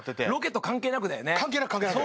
関係なく関係なく！